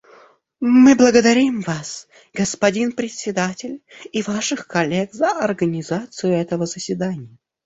Мы благодарим Вас, господин Председатель, и Ваших коллег за организацию этого заседания.